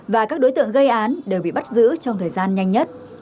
và các đối tượng gây án đều bị bắt giữ trong thời gian nhanh nhất